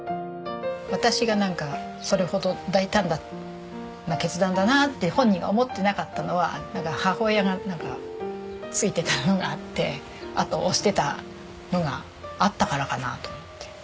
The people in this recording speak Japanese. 私がなんかそれほど大胆な決断だなって本人が思ってなかったのは母親がついてたのがあって後を押してたのがあったからかなと思って。